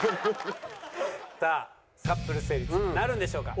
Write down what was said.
さあカップル成立なるんでしょうか？